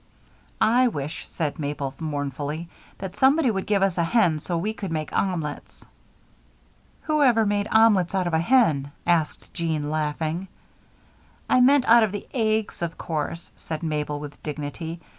"I wish," said Mabel, mournfully, "that somebody would give us a hen, so we could make omelets." "Who ever made omelets out of a hen?" asked Jean, laughing. "I meant out of the eggs, of course," said Mabel, with dignity.